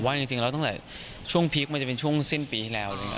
ผมว่าจริงแล้วตั้งแต่ช่วงพีคมันจะเป็นช่วงสิ้นปีที่แล้วเลยนะครับ